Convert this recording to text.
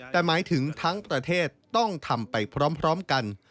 แต่หมายถึงทั้งประเทศต้องทำไปพร้อมกัน